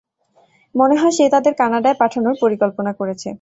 মনে হয় সে তাদের কানাডায় পাঠানোর পরিকল্পনা করেছে।